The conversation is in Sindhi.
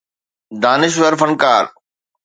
دانشور فنڪار